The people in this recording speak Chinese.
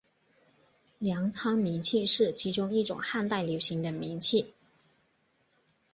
粮仓明器是其中一种汉代流行的明器。